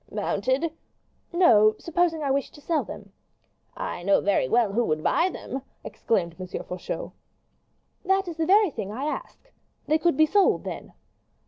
"Mounted?" "No; supposing I wished to sell them." "I know very well who would buy them," exclaimed M. Faucheux. "That is the very thing I ask. They could be sold, then?"